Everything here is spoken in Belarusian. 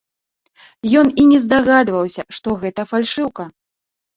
Ён і не здагадваўся, што гэта фальшыўка.